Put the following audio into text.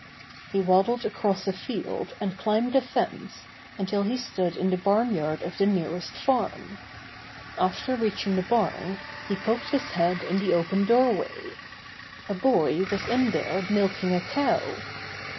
He waddled across a field and climbed a fence until he stood in the barn yard of the nearest farm. After reaching the barn he poked his head in the open doorway. A boy was in there milking a cow.